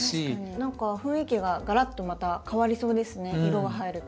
何か雰囲気ががらっとまた変わりそうですね色が入ると。